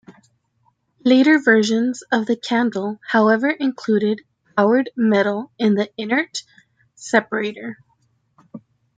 Later versions of the candle, however, included powdered metal in the inert separator.